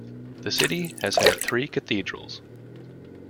The city has had three cathedrals.